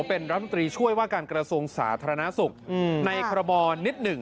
เป็นรัฐมนตรีช่วยว่าการกระทรวงสาธารณสุขในคอรมอลนิดหนึ่ง